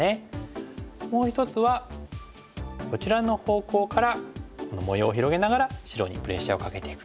もう１つはこちらの方向からこの模様を広げながら白にプレッシャーをかけていく。